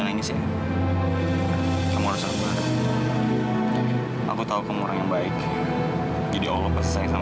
kamisya kan ada keharganya kok dan gue juga sangat enggak butuh kalung itu